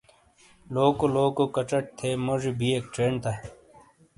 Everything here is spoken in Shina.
لوکو لوکو کچٹ تھے موجی بِیئک چینڈ تا